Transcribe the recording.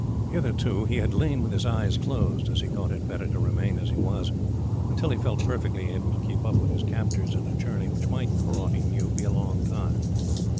Hitherto he had lain with his eyes closed, as he thought it better to remain as he was until he felt perfectly able to keep up with his captors in a journey which might, for aught he knew, be a long one.